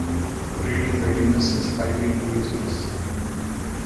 Reading readiness is highly individualistic.